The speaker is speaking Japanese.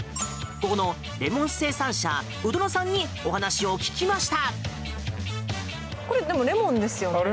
ここのレモン生産者、鵜殿さんにお話を聞きました。